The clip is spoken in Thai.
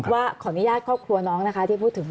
ขออนุญาตครอบครัวน้องนะคะที่พูดถึง